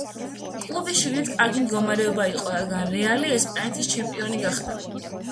კლუბის შიგნით კარგი მდგომარეობა იყო, რადგან „რეალი“ ესპანეთის ჩემპიონი გახდა.